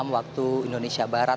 waktu indonesia barat